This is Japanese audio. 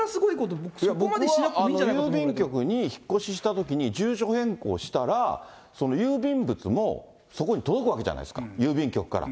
僕、そこまでしなくてもいいと思郵便局に引っ越ししたときに、住所変更したら、郵便物もそこに届くわけじゃないですか、郵便局から。